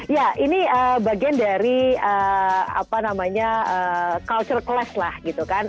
ya ini bagian dari apa namanya culture class lah gitu kan